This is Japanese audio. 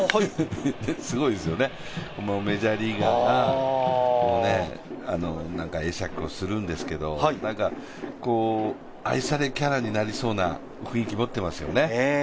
すごいですよね、メジャーリーガーが会釈をするんですけど愛されキャラになりそうな雰囲気を持っていますよね。